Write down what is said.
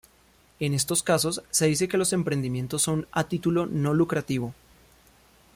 En estos casos se dice que los emprendimientos son a título no lucrativo.